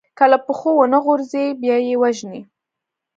که له پښو ونه غورځي، بیا يې وژني.